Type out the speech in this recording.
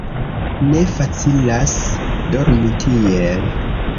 Ne facilas dormi tiel.